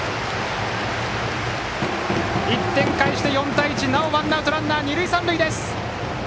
１点返して、４対１でなおもワンアウトランナー、二塁三塁です！